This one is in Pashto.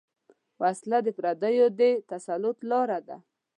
وسله د پردیو د تسلط لاره ده